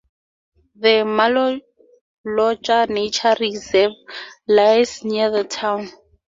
The Malolotja Nature Reserve lies near the town.